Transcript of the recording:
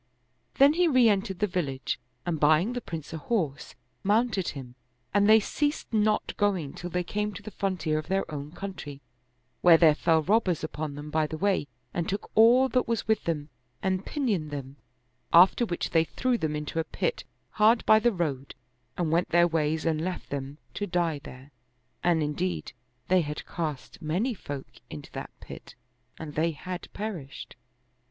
Then he re entered the village and buying the Prince a horse, mounted him, and they ceased not going till they came to the frontier of their own country, where there fell robbers upon them by the way and took all that was with them and pinioned them; after which they threw them into a pit hard by the road and went their ways and left them to die there; and indeed they had cast many folk into that pit and they had perished.